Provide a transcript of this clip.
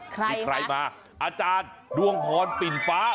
ใครฮะอาจารย์ดวงฮอนปิ่นฟ้า